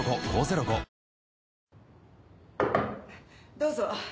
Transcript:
どうぞ。